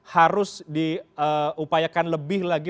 harus diupayakan lebih lagi